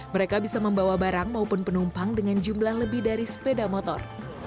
mereka bisa membawa barang maupun penumpang dengan jumlah lebih dari sepeda motor